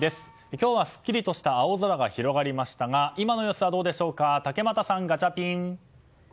今日は、すっきりとした青空が広がりましたが今の様子はどうでしょうか竹俣さん、ガチャピン。